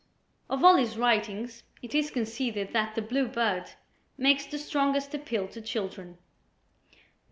Of all his writings, it is conceded that "The Blue Bird" makes the strongest appeal to children.